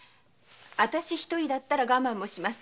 私一人だったら我慢もします。